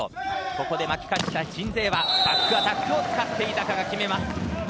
ここで巻き返したい鎮西はバックアタックを使ってきます。